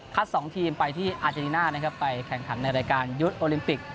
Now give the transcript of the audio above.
สองทีมไปที่อาเจริน่านะครับไปแข่งขันในรายการยุทธ์โอลิมปิก